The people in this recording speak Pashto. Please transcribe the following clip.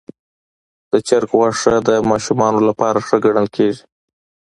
د چرګ غوښه د ماشومانو لپاره ښه ګڼل کېږي.